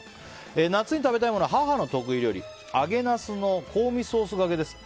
夏に食べたいものは母の得意料理揚げナスの香味ソースがけです。